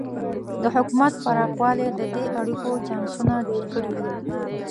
د حکومت پراخوالی د دې اړیکو چانسونه ډېر کړي دي.